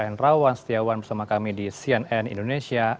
hendrawan setiawan bersama kami di cnn indonesia